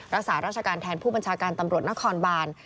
รักษาราชการแทนผู้บัญชาการตำรวจนครบาน